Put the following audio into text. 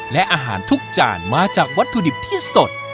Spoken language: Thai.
และอาหารทุกจานมาจากวัตถุดิบที่สด